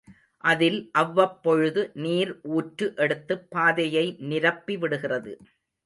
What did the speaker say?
அதில் அவ்வப்பொழுது நீர் ஊற்று எடுத்துப் பாதையை நிரப்பிவிடுகிறது.